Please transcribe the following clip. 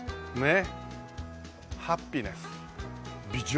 ねっ。